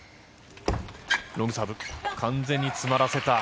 ロングサーブ、完全に詰まらせた。